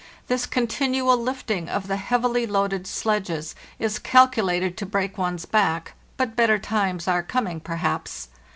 This continual lifting of the heavily loaded sledges is calculated to break one's back; but better times are coming, perhaps.